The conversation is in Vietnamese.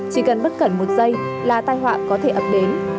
chỉ cần bất cẩn một giây là tai họa có thể ập đến